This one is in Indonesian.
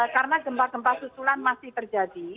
karena gempa gempa susulan masih terjadi